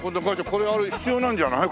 これ必要なんじゃない？